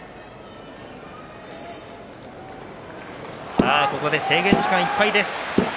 さあここで制限時間いっぱいです。